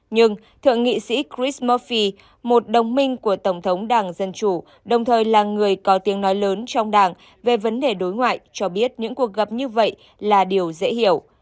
nhưng thượng nghị sĩ chris mofpy một đồng minh của tổng thống đảng dân chủ đồng thời là người có tiếng nói lớn trong đảng về vấn đề đối ngoại cho biết những cuộc gặp như vậy là điều dễ hiểu